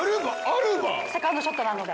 セカンドショットなので。